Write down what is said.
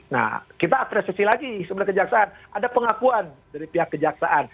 nah kita apresiasi lagi sebenarnya kejaksaan ada pengakuan dari pihak kejaksaan